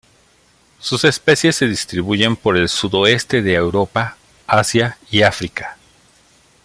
Sus especies se distribuyen por el sudoeste de Europa, Asia y África.